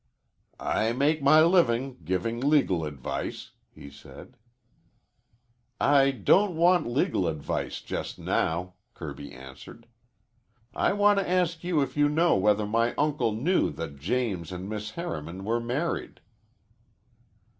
"I make my living giving legal advice," he said. "I don't want legal advice just now," Kirby answered. "I want to ask you if you know whether my uncle knew that James and Miss Harriman were married."